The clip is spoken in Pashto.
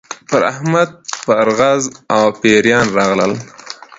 پر احمد پرغز او پېریان راغلل.